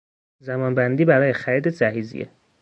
زمان بندی برای خرید جهیزیه